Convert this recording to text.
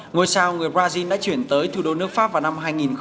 ngôi sao người brazil đã chuyển tới thủ đô nước pháp vào năm hai nghìn một mươi